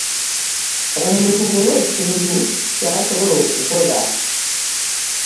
Omuntu muwe ekintu kyasobola okukola.